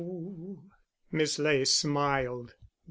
_ Miss Ley smiled.